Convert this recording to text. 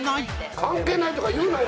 「関係ない」とか言うなよ。